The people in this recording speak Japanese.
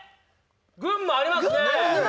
群馬ありますね。